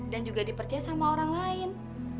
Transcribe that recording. dan juga dipercaya sama orang lain